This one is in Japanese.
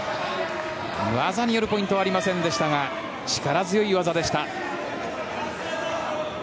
技によるポイントはありませんでしたが力強い技でした。